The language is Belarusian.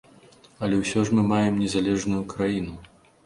Але ўсё ж мы маем незалежную краіну.